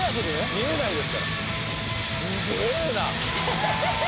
見えないですからすげえな！